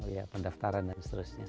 ya pendaftaran dan seterusnya